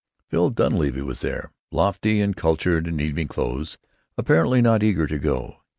Phil Dunleavy was there, lofty and cultured in evening clothes, apparently not eager to go.